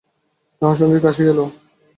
তাঁহার সঙ্গে কাশী গেল।